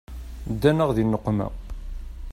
Ddan-aɣ di nneqma.